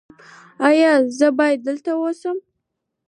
ایا زه باید دلته اوسم؟